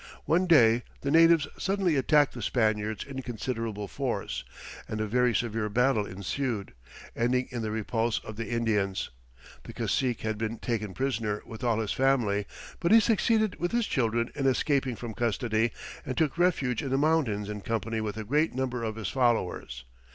One day the natives suddenly attacked the Spaniards in considerable force, and a very severe battle ensued, ending in the repulse of the Indians. The cacique had been taken prisoner with all his family, but he succeeded with his children in escaping from custody, and took refuge in the mountains in company with a great number of his followers.